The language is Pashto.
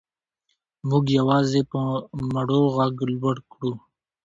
موږ یوازې په مړو غږ لوړ کړو.